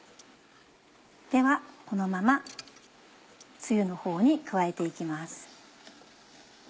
ではこのままつゆのほうに加えて行きます。